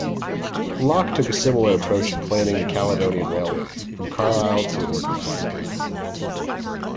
Locke took a similar approach in planning the Caledonian Railway, from Carlisle to Glasgow.